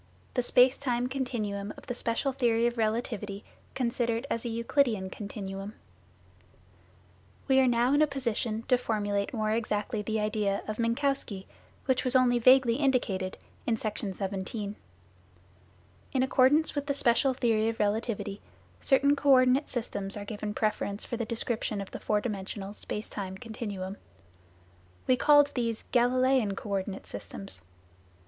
THE SPACE TIME CONTINUUM OF THE SPEICAL THEORY OF RELATIVITY CONSIDERED AS A EUCLIDEAN CONTINUUM We are now in a position to formulate more exactly the idea of Minkowski, which was only vaguely indicated in Section 17. In accordance with the special theory of relativity, certain co ordinate systems are given preference for the description of the four dimensional, space time continuum. We called these " Galileian co ordinate systems."